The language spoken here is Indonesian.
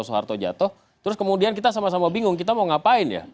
soeharto jatuh terus kemudian kita sama sama bingung kita mau ngapain ya